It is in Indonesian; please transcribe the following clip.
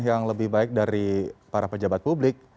yang lebih baik dari para pejabat publik